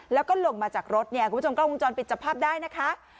แล้วก็ลงมาจากรถเนี่ยคุณผู้ชมกล้องวงจรปิดจับภาพได้นะคะ